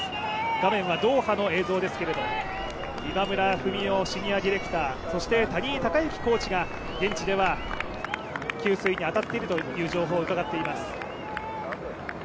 画面はドーハの映像ですけれど、今村文男シニアディレクターそして、谷井孝行コーチが現地では給水に当たっているという情報を伺っています。